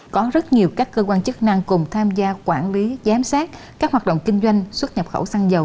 có rất nhiều các cơ quan chức năng cùng tham gia quản lý giám sát các hoạt động kinh doanh xuất nhập khẩu xăng dầu